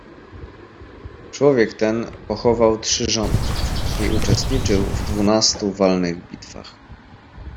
"Człowiek ten pochował trzy żony i uczestniczył w dwunastu walnych bitwach."